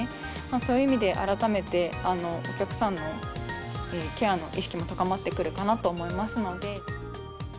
そういう意味で、改めてお客さんのケアの意識も高まってくるかなと思いますので。